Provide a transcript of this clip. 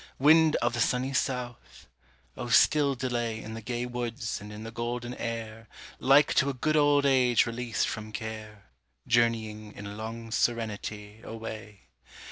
Wind of the sunny south! oh still delay In the gay woods and in the golden air, Like to a good old age released from care, Journeying, in long serenity, away.